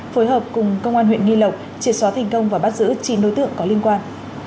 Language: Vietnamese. phối hợp cùng công an huyện nghi lộc triệt xóa thành công và bắt giữ chín đối tượng có liên quan